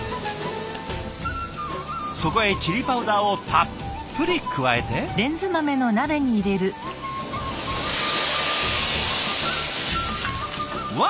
そこへチリパウダーをたっぷり加えて。わ！